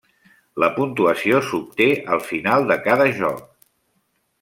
La puntuació s'obté al final de cada joc.